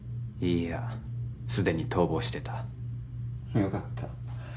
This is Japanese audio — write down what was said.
いいやすでに逃亡してたよかった